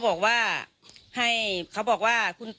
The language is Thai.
เลขทะเบียนรถจากรยานยนต์